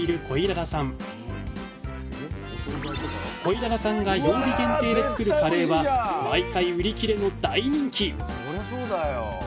コイララさんが曜日限定で作るカレーは毎回売り切れの大人気！